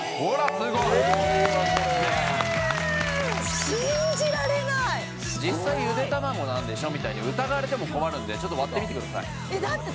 すごい実際ゆで卵なんでしょみたいに疑われても困るのでちょっと割ってみてくださいだって